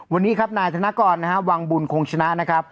วันนี้นายฐานกรวังบุญคงชนะ